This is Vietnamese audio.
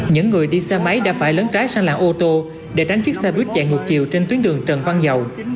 những người đi xe máy đã phải lớn trái sang làng ô tô để tránh chiếc xe buýt chạy ngược chiều trên tuyến đường trần văn dầu